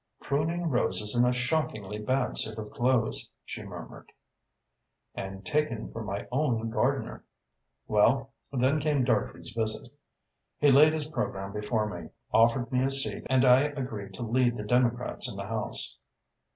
"Pruning roses in a shockingly bad suit of clothes," she murmured. "And taken for my own gardener! Well, then came Dartrey's visit. He laid his programme before me, offered me a seat and I agreed to lead the Democrats in the House.